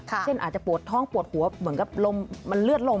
เช่นอาจจะปวดท้องปวดหัวเหมือนกับลมมันเลือดลม